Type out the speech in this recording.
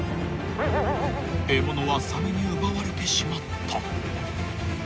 ［獲物はサメに奪われてしまった］